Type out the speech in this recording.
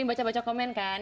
baca baca komen kan